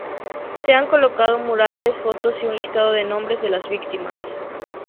Se han colocado murales, fotos y un listado con los nombres de las víctimas.